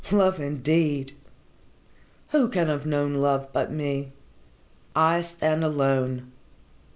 Love, indeed! Who can have known love but me? I stand alone.